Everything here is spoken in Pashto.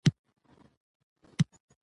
ستا سره به څو کسان راځي؟